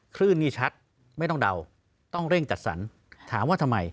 คลื่นนี่ชัดไม่ต้องเดาต้องเร่งจัดสรรถามว่าทำไม